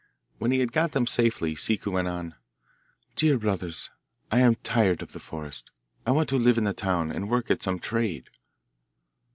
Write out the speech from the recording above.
When he had got them safely Ciccu went on, 'Dear brothers, I am tired of the forest. I want to live in the town, and work at some trade.